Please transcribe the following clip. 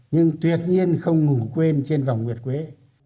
nhưng tuyệt nhiên không ngủ quên trên vòng nguyệt quế